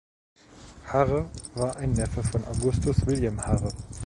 Hare war ein Neffe von Augustus William Hare.